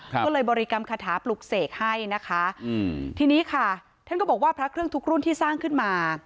ก็เลยบริกรรมคาถาปลุกเสกให้นะคะอืมทีนี้ค่ะท่านก็บอกว่าพระเครื่องทุกรุ่นที่สร้างขึ้นมา